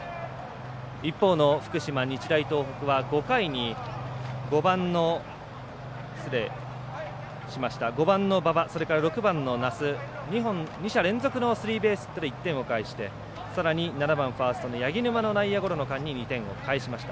一方の福島、日大東北は５回に５番の馬場、６番の奈須２者連続のスリーベースヒットで１点を返してさらに７番ファーストの柳沼の内野ゴロの間に２点を返しました。